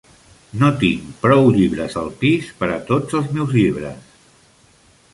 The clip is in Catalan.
No tinc prou llibres al pis per a tots els meus llibres.